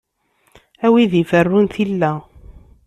A wid iferrun tilla!